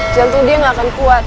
jantung dia nggak akan kuat